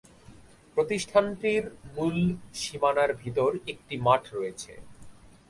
প্রতিষ্ঠানটির মূল সীমানার ভিতর একটি মাঠ রয়েছে।